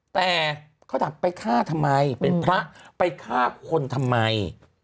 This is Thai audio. แต่เขาถามไปฆ่าทำไมเป็นพระไปฆ่าคนทำไม